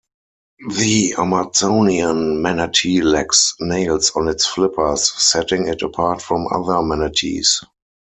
The Amazonian manatee lacks nails on its flippers, setting it apart from other manatees.